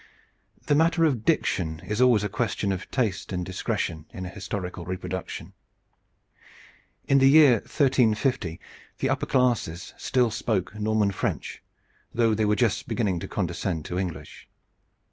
The matter of diction is always a question of taste and discretion in a historical reproduction. In the year 1350 the upper classes still spoke Norman French, though they were just beginning to condescend to English.